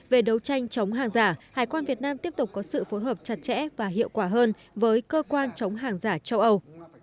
về đấu tranh chống hàng giả hải quan việt nam tiếp tục có sự phối hợp chặt chẽ và hiệu quả hơn với cơ quan chống hàng giả châu âu